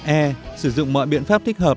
e sử dụng mọi biện pháp thích hợp